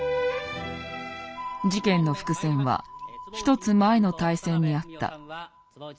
事件の伏線は１つ前の対戦にあった。